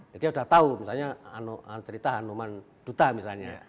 jadi dia udah tahu misalnya cerita hanuman duta misalnya